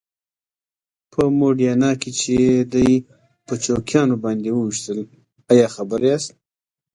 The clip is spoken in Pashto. په موډینا کې چې یې دی په چوکیانو باندې وويشتل ایا خبر یاست؟